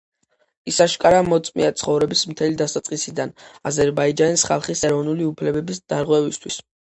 ის აშკარა მოწმეა ცხოვრების მთელი დასაწყისიდან აზერბაიჯანის ხალხის ეროვნული უფლებების დარღვევისთვის.